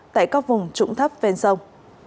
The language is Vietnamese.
tại các vùng trụng thấp ven sông